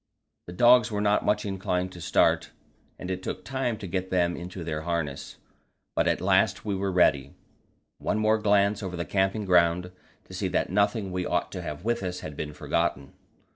The dogs were not much inclined to start, and it took time to get them into their harness, but at last we were ready. One more glance over the camping ground to see that nothing we ought to have with us had been forgotten.